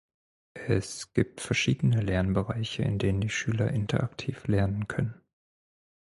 Es gibt verschiedene Lernbereiche, in denen die Schüler interaktiv lernen können.